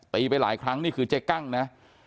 ไปหลายครั้งนี่คือเจ๊กั้งนะ